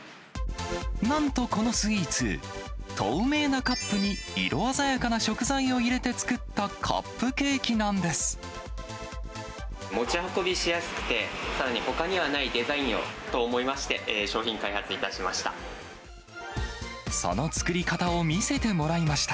なんとこのスイーツ、透明なカップに色鮮やかな食材を入れて作ったカップケーキなんで持ち運びしやすくて、さらにほかにはないデザインをと思いまして、商品開発いたしましその作り方を見せてもらいました。